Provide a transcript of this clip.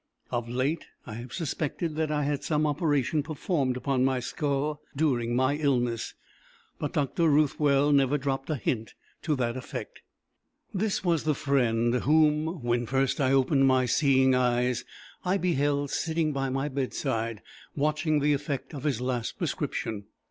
Of late I have suspected that I had some operation performed upon my skull during my illness; but Dr. Ruthwell never dropped a hint to that effect. This was the friend whom, when first I opened my seeing eyes, I beheld sitting by my bedside, watching the effect of his last prescription.